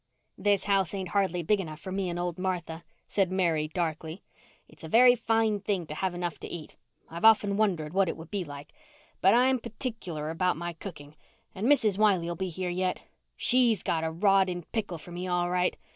"This house ain't hardly big enough for me and old Martha," said Mary darkly. "It's a very fine thing to have enough to eat—I've often wondered what it would be like—but I'm p'ticler about my cooking. And Mrs. Wiley'll be here yet. She's got a rod in pickle for me all right.